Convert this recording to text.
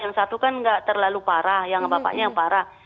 yang satu kan nggak terlalu parah yang bapaknya yang parah